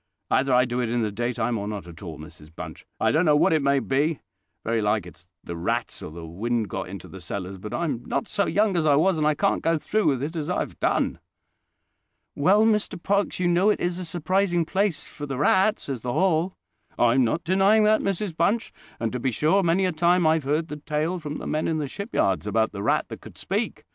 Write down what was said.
"Either I do it in the daytime or not at all, Mrs Bunch. I don't know what it may be: very like it's the rats, or the wind got into the cellars; but I'm not so young as I was, and I can't go through with it as I have done." "Well, Mr Parkes, you know it is a surprising place for the rats, is the Hall." "I'm not denying that, Mrs Bunch; and, to be sure, many a time I've heard the tale from the men in the shipyards about the rat that could speak.